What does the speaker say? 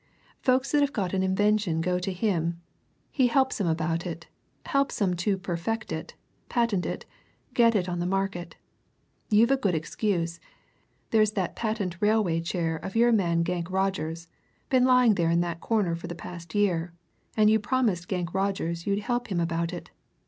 Folks that have got an invention go to him he helps 'em about it helps 'em to perfect it, patent it, get it on the market. You've a good excuse there's that patent railway chair of your man Gankrodgers, been lying there in that corner for the past year, and you promised Gankrodgers you'd help him about it.